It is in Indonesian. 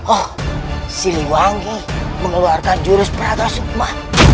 oh siliwangi mengeluarkan jurus perdata sukma